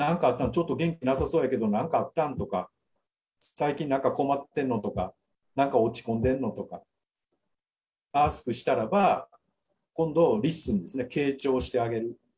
ちょっと元気なさそうやけど、なんかあったん？とか、最近なんか困ってんの？とか、なんか落ち込んでんの？とか、アスクしたらば、今度、リッスンですね、傾聴してあげる。